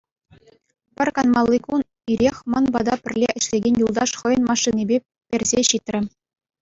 Пӗр канмалли кун ирех ман пата пӗрле ӗҫлекен юлташ хӑйӗн машинипе персе ҫитрӗ.